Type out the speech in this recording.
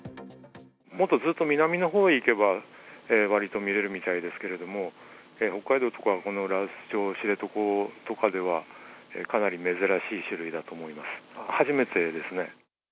もっとずっと南のほうに行けば、わりと見れるみたいですけれども、北海道とか、この羅臼町、知床とかでは、かなり珍しい種類だと思います。